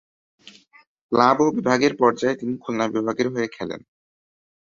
Club ও বিভাগের পর্যায়ে তিনি খুলনা বিভাগের হয়ে খেলেন।